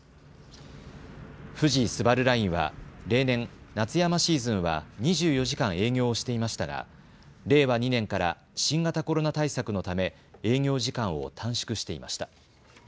富士スバルラインは例年、夏山シーズンは２４時間営業をしていましたが令和２年から新型コロナ対策のため営業時間を短縮していました。